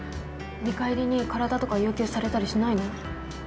見返りに体とか要求されたりしないの？